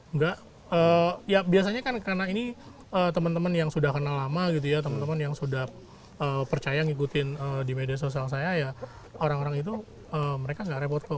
enggak ya biasanya kan karena ini teman teman yang sudah kenal lama gitu ya teman teman yang sudah percaya ngikutin di media sosial saya ya orang orang itu mereka nggak repot kok